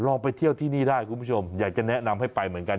ไปเที่ยวที่นี่ได้คุณผู้ชมอยากจะแนะนำให้ไปเหมือนกัน